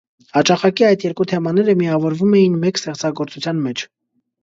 Հաճախակի այդ երկու թեմաները միավորվում էին մեկ ստեղծագործության մեջ։